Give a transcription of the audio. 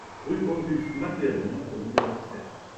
Rue Auguste Matheron au numéro dix-sept